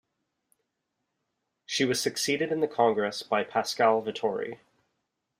She was succeeded in the Congress by Pascal Vittori.